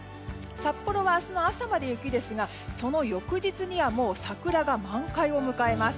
札幌は明日の朝まで雪ですがその翌日にはもう桜が満開を迎えます。